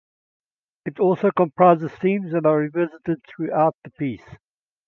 It also comprises themes that are revisited throughout the piece.